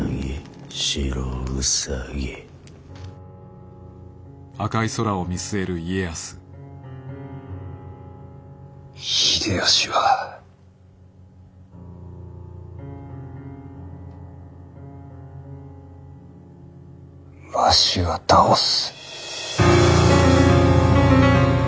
白兎秀吉はわしが倒す。